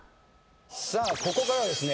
さあここからはですね